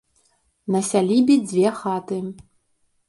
На сялібе дзве хаты.